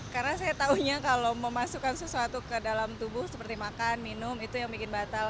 karena saya taunya kalau memasukkan sesuatu ke dalam tubuh seperti makan minum itu yang bikin batal